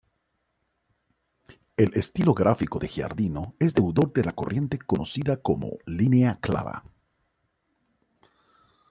El estilo gráfico de Giardino es deudor de la corriente conocida como "línea clara".